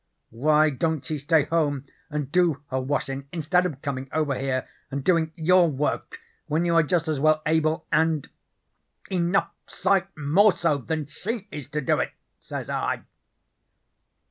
"'Why don't she stay home and do her washin' instead of comin' over here and doin' YOUR work, when you are just as well able, and enough sight more so, than she is to do it?' says I.